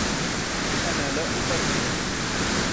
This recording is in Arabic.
أنا لا أترجم.